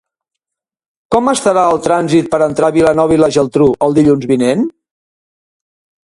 Com estarà el trànsit per entrar a Vilanova i la Geltrú el dilluns vinent?